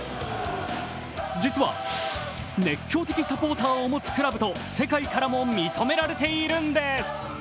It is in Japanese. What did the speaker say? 実は熱狂的サポーターを持つクラブと世界からも認められているんです。